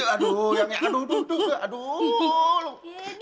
aduh yang aduk aduk aduk